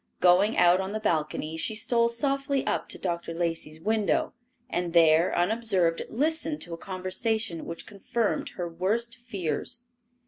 Going out on the balcony, she stole softly up to Dr. Lacey's window, and there, unobserved, listened to a conversation which confirmed her worst fears.